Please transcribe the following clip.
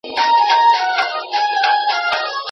هغه له ډېري مودي راهيسي پر کره کتنه کار کوي.